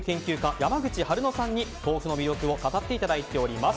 山口はるのさんに豆腐の魅力を語っていただいております。